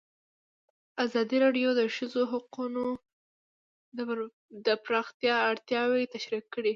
ازادي راډیو د د ښځو حقونه د پراختیا اړتیاوې تشریح کړي.